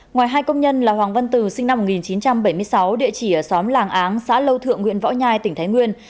ngoài hai công nhân là hoàng văn từ sinh năm một nghìn chín trăm bảy mươi sáu địa chỉ ở xóm làng áng xã lâu thượng huyện võ nhai tỉnh thái nguyên